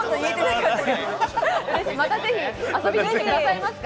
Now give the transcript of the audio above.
またぜひ遊びに来てくださいますか？